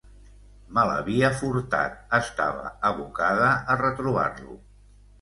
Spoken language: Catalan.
Me l'havia furtat, estava abocada a retrobar-lo.